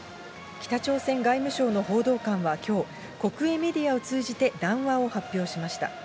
北朝鮮外務省の報道官はきょう、国営メディアを通じて、談話を発表しました。